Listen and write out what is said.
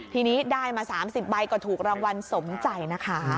ทีนี้ได้มา๓๐ใบก็ถูกรางวัลสมใจนะคะ